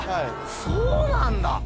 そうなんだ！